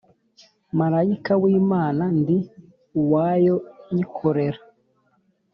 Marayika w imana ndi uwayo nyikorera